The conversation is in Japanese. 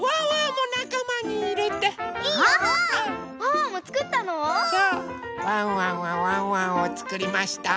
ワンワンはワンワンをつくりました。